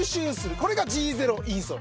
これがＧゼロインソール。